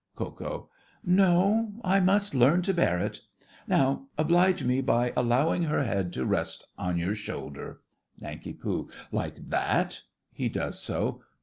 KO. No, I must learn to bear it! Now oblige me by allowing her head to rest on your shoulder. NANK. Like that? (He does so.